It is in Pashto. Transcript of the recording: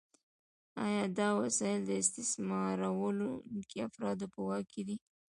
آیا دا وسایل د استثمارونکو افرادو په واک کې دي؟